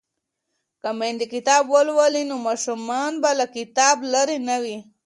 که میندې کتاب ولولي نو ماشومان به له کتابه لرې نه وي.